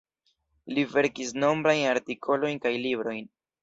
Li verkis nombrajn artikolojn kaj librojn.